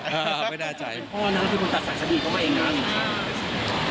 เพราะว่านั้นคุณตัดสถานีก็ไม่งั้น